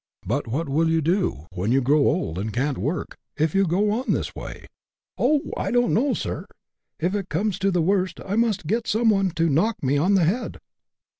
"But what will you do when you grow old and can't work, if you go on in this way ?"—" Oh ! I don't know. Sir ; if it comes to the worst I must get some one to knock me on the head."